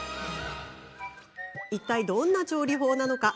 いったいどんな調理法なのか。